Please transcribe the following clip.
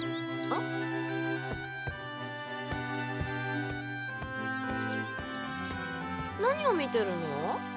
ん？何を見てるの？